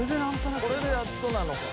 これでやっとなのか。